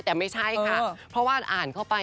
แต่ไม่ใช่ค่ะเพราะว่าอ่านเข้าไป